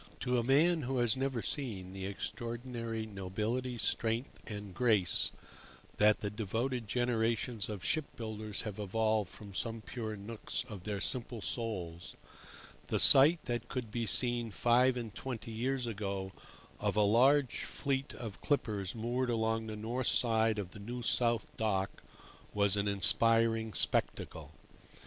To a man who has never seen the extraordinary nobility, strength, and grace that the devoted generations of ship builders have evolved from some pure nooks of their simple souls, the sight that could be seen five and twenty years ago of a large fleet of clippers moored along the north side of the New South Dock was an inspiring spectacle.